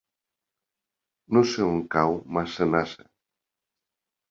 No sé on cau Massanassa.